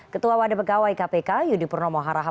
ketua wadah pegawai kpk yudi purnomo haraha